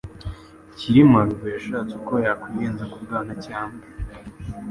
Cyilima Rugwe, yashatse uko yakwiyenza ku Bwanacyambwe